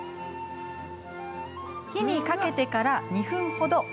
火にかけてから２分ほど。